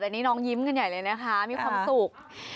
แต่นี่น้องยิ้มกันใหญ่เลยนะคะมีความสุข